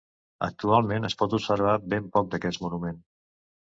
Actualment es pot observar ben poc d'aquest monument.